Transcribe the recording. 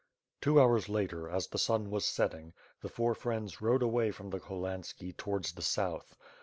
Two hours later, as the sun was setting, the four friends rode away from the Cholhanski towards the South.